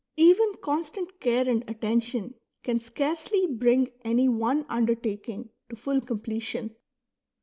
Even constant care and attention can scarcely bring any one undertaking to full completion.